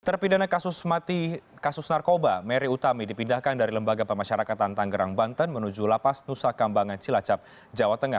terpidana kasus narkoba mary utami dipindahkan dari lembaga pemasyarakatan tanggerang banten menuju lapas nusa kambangan cilacap jawa tengah